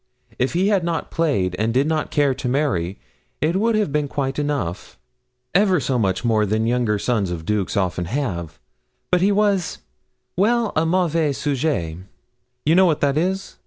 If he had not played, and did not care to marry, it would have been quite enough ever so much more than younger sons of dukes often have; but he was well, a mauvais sujet you know what that is.